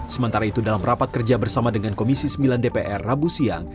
sementara itu dalam rapat kerja bersama dengan komisi sembilan dpr rabu siang